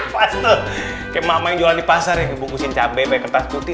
pas tuh kayak mama yang jualan di pasar ya dibungkusin cabai pakai kertas putih